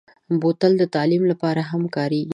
بوتل د تعلیم لپاره هم کارېږي.